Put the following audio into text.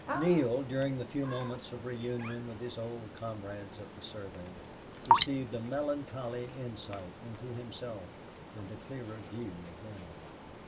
Neale, during the few moments of reunion with his old comrades of the survey, received a melancholy insight into himself and a clearer view of them.